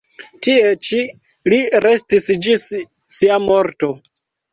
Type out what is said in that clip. Tie ĉi li restis ĝis sia morto.